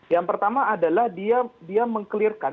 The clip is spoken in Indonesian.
yang pertama adalah dia mengkelirkan